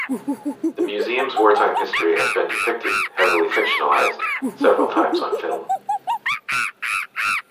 The museum's wartime history has been depicted, heavily fictionalized, several times on film.